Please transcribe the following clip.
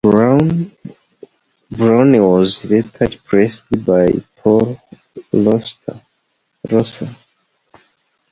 Brown was later replaced by Paul Roessler.